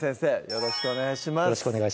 よろしくお願いします